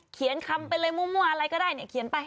เขียนคำเป็นอะไรมั่วอะไรก็ได้เขียนไป